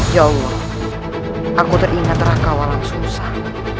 ya allah aku teringat rahkawalan susah